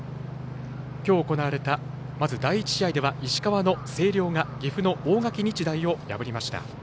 きょう行われたまず第１試合では石川の星稜が岐阜の大垣日大を破りました。